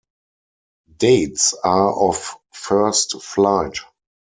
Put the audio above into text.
Dates are of first flight.